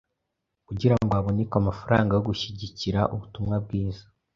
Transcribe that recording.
kugira ngo haboneke amafaranga yo gushyigikira ubutumwa bwiza.